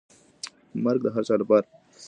مرګ د هر چا په لاره کي دی.